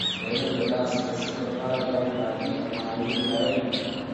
د علم د لاسرسي لپاره باید مادي او معنوي دلايل وي.